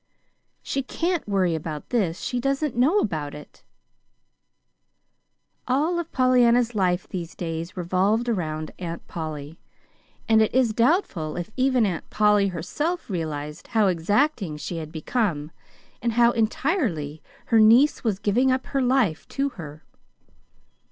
"She CAN'T worry about this she doesn't know about it!" All of Pollyanna's life these days revolved around Aunt Polly, and it is doubtful if even Aunt Polly herself realized how exacting she had become, and how entirely her niece was giving up her life to her.